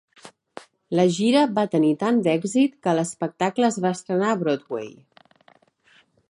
La gira va tenir tant d'èxit, que l'espectacle es va estrenar a Broadway.